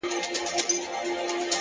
زه وايم راسه شعر به وليكو؛